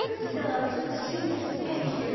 もちろん芯がしっかりしてる。